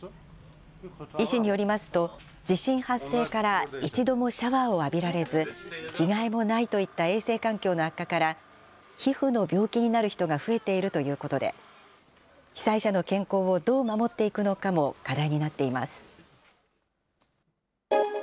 医師によりますと、地震発生から一度もシャワーを浴びられず、着替えもないといった衛生環境の悪化から、皮膚の病気になる人が増えているということで、被災者の健康をどう守っていくのかも課題になっています。